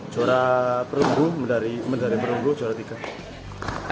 juara perundu mendari perundu juara tiga